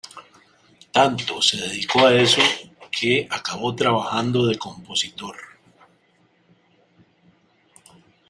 Tanto se dedicó a eso que acabó trabajando de compositor.